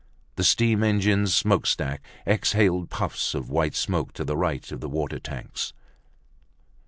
The steam engine's smokestack exhaled puffs of white smoke to the right of the water tanks.